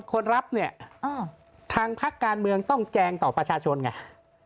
คนรับเนี่ยทางพักการเมืองต้องแจงต่อประชาชนไง